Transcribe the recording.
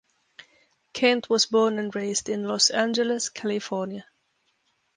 Kent was born and raised in Los Angeles, California.